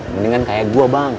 mendingan kayak gua bang